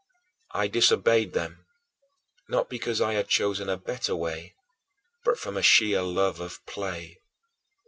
I disobeyed them, not because I had chosen a better way, but from a sheer love of play.